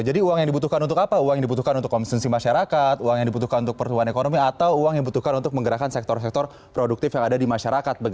jadi uang yang dibutuhkan untuk apa uang yang dibutuhkan untuk kompetensi masyarakat uang yang dibutuhkan untuk pertumbuhan ekonomi atau uang yang dibutuhkan untuk menggerakkan sektor sektor produktif yang ada di masyarakat